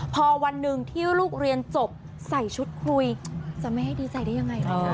พอวันหนึ่งที่ลูกเรียนจบใส่ชุดคุยจะไม่ให้ดีใจได้ยังไง